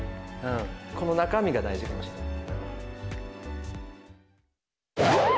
この中身が大事かもしれない。